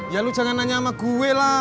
ya lu jangan nanya sama gue lah